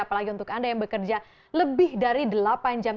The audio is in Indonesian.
apalagi untuk anda yang bekerja lebih dari delapan jam